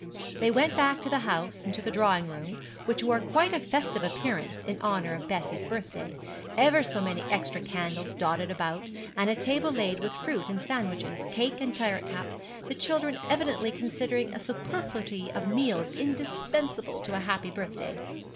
They went back to the house, and to the drawing room, which wore quite a festive appearance, in honour of Bessie's birthday; ever so many extra candles dotted about, and a table laid with fruit and sandwiches, cake and claret cup, the children evidently considering a superfluity of meals indispensable to a happy birthday.